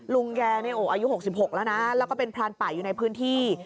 ลุงแกอายุ๖๖แล้วนะแล้วก็เป็นพรานป่าอยู่ในพื้นที่